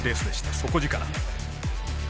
底力。